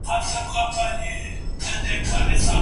ټوکران په احتیاط سره وکاروئ.